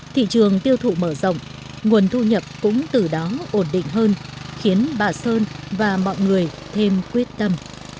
thị trường tiêu thụ mở rộng nguồn thu nhập cũng từ đó ổn định hơn khiến bà sơn và mọi người thêm quyết tâm